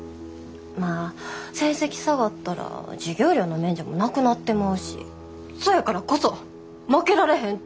まあ成績下がったら授業料の免除もなくなってまうしそやからこそ負けられへんって思うねん。